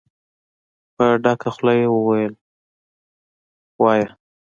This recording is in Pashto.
په ډکه خوله يې وويل: وايه!